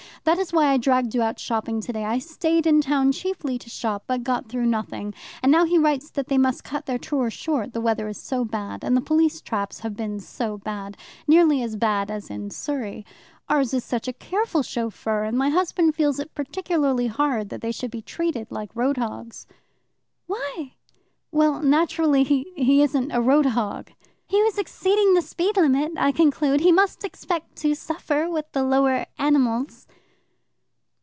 That is why I dragged you out shopping today. I stayed in town chiefly to shop, but got through nothing, and now he writes that they must cut their tour short, the weather is so bad, and the police traps have been so bad nearly as bad as in Surrey. Ours is such a careful chauffeur, and my husband feels it particularly hard that they should be treated like roadhogs." "Why?" "Well, naturally he he isn't a road hog." "He was exceeding the speed limit, I conclude. He must expect to suffer with the lower animals."